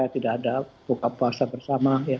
tidak ada buka puasa bersama